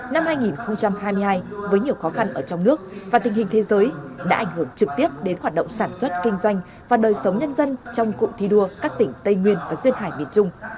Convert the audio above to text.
năm hai nghìn hai mươi hai với nhiều khó khăn ở trong nước và tình hình thế giới đã ảnh hưởng trực tiếp đến hoạt động sản xuất kinh doanh và đời sống nhân dân trong cụm thi đua các tỉnh tây nguyên và duyên hải miền trung